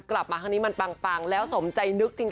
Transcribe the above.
กลับมาครั้งนี้มันปังแล้วสมใจนึกจริง